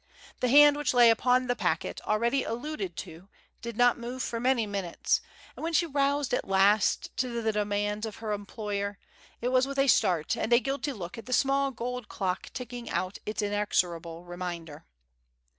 The hand which lay upon the packet already alluded to did not move for many minutes, and when she roused at last to the demands of her employer, it was with a start and a guilty look at the small gold clock ticking out its inexorable reminder.